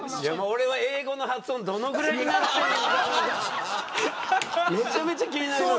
英語の発音がどのぐらいになっているのかめちゃめちゃ気になります。